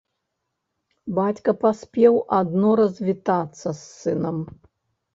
Бацька паспеў адно развітацца з сынам.